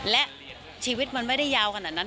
และชีวิตมันไม่ได้ยาวขนาดนั้น